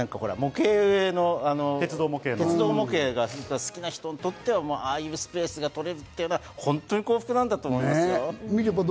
鉄道模型が好きな人にとってはああいうスペースが取れたら、本当に幸福なんだと思いますよ。